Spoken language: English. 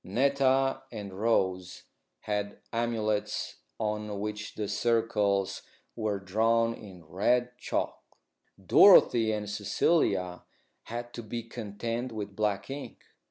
Netta and Rose had amulets on which the circles were drawn in red chalk. Dorothy and Cecilia had to be content with black ink.